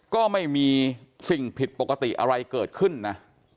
ก็ไม่มีสิ่งผิดปกติอะไรเกิดขึ้นนะ